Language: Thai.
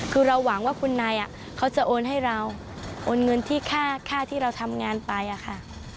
คือเราหวังว่าคุณนายเขาจะโอนให้เราโอนเงินที่ค่าที่เราทำงานไปอะค่ะ